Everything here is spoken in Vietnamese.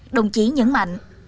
đồng chí nhấn mạnh